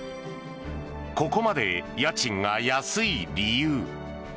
ここまで家賃が安い理由。